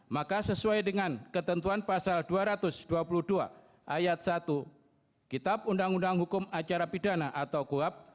maka sesuai dengan ketentuan pasal dua ratus dua puluh dua ayat satu kitab undang undang hukum acara pidana atau kuap